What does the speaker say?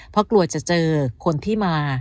เพราะกลัวจะเจอคนที่มา